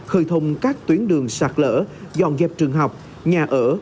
khởi thông các tuyến đường sạc lỡ dọn dẹp trường học nhà ở